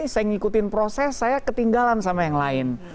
saya ngikutin proses saya ketinggalan sama yang lain